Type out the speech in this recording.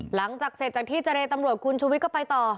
หลังจากเสร็จจากที่เจรตำรวจคุณชุวิตก็ไปต่อ